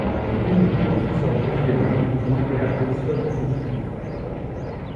Le cumul des déficiences visuelle et auditive est appelé surdicécité.